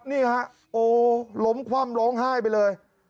นี่ฮะโอ้ล้มคว่ำร้องไห้ไปเลย